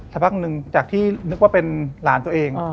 สักพักหนึ่งจากที่นึกว่าเป็นหลานตัวเอง